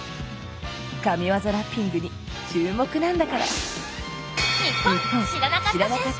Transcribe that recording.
神業ラッピングに注目なんだから！